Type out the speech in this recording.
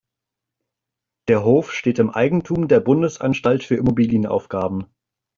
Der Hof steht im Eigentum der Bundesanstalt für Immobilienaufgaben.